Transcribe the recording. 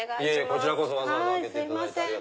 こちらこそわざわざ開けていただいて。